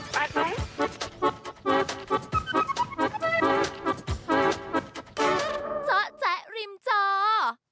เจ้าแจริมเจ้า